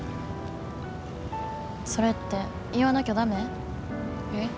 それって言わなきゃダメ？え？